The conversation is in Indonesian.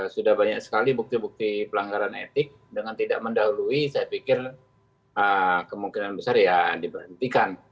sudah banyak sekali bukti bukti pelanggaran etik dengan tidak mendahului saya pikir kemungkinan besar ya diberhentikan